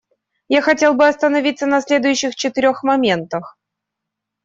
Я хотел бы остановиться на следующих четырех моментах.